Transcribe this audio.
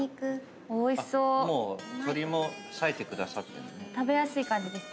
もう鶏も割いてくださってるね。